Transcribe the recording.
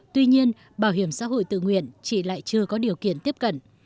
tuy nhiên bảo hiểm xã hội tự nguyện chị lại chưa có điều kiện tiếp cận